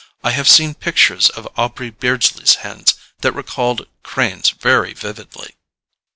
I have seen pictures of Aubrey Beardsley's hands that recalled Crane's very vividly.